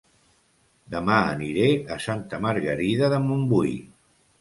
Dema aniré a Santa Margarida de Montbui